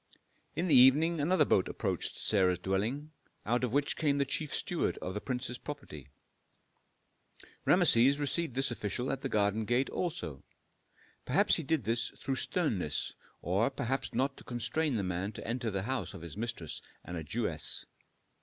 In the evening another boat approached Sarah's dwelling, out of which came the chief steward of the prince's property. Rameses received this official at the garden gate also. Perhaps he did this through sternness, or perhaps not to constrain the man to enter the house of his mistress and a Jewess.